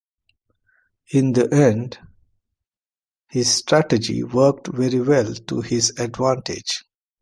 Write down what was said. In the end, his strategy worked very well to his advantage.